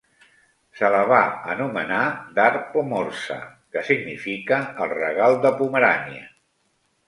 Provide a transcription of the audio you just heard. Se la va anomenar "Dar Pomorza", que significa "el regal de Pomerània".